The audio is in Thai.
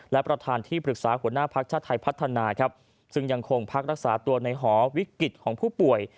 และประธานที่ปรึกษาหัวหน้าภักดิ์ชาติไทยพัฒนาครับซึ่งยังคงพักรักษาตัวในหอวิกฤตของผู้ป่วย